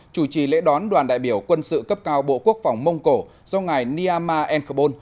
chủ trì lễ đón đoàn đại biểu quân sự cấp cao bộ quốc phòng mông cổ do ngài niama enkbon